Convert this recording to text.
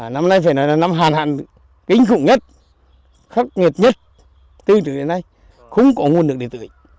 năm nay phải nói là năm hàn hẳn kinh khủng nhất khắc nghiệt nhất tương trực đến nay không có nguồn nước đi tự